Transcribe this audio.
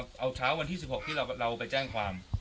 เอาเช้าวันที่๑๖ที่เราไปแจ้งความ